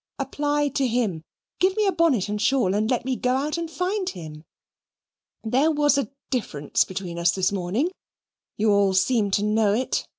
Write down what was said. Apply to him. Give me a bonnet and shawl and let me go out and find him. There was a difference between us this morning. You all seem to know it.